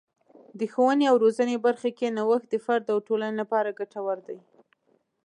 د ښوونې او روزنې برخه کې نوښت د فرد او ټولنې لپاره ګټور دی.